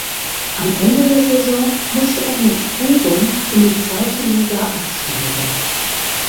Am Ende der Saison musste er mit Ubon in die zweite Liga absteigen.